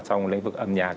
trong lĩnh vực âm nhạc